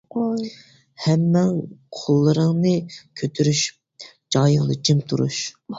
ھەممىڭ قوللىرىڭنى كۆتۈرۈشۈپ جايىڭدا جىم تۇرۇش!